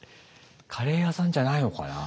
カレー屋さんじゃないのかな。